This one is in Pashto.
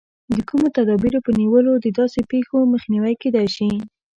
د کومو تدابیرو په نیولو د داسې پېښو مخنیوی کېدای شي.